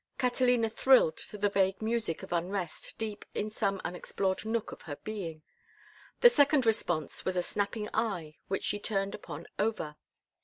Catalina thrilled to the vague music of unrest deep in some unexplored nook of her being. The second response was a snapping eye which she turned upon Over.